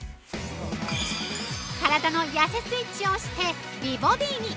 ◆体のやせスイッチを押して美ボディーに。